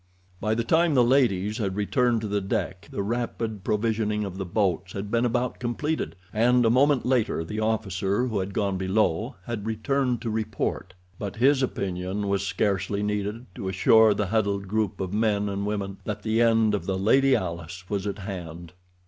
By the time the ladies had returned to the deck the rapid provisioning of the boats had been about completed, and a moment later the officer who had gone below had returned to report. But his opinion was scarcely needed to assure the huddled group of men and women that the end of the Lady Alice was at hand.